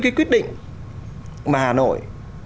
cái quyết định mà hà nội